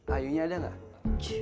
ayunya ada gak